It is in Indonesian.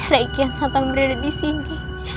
rakyat yang santang berada disini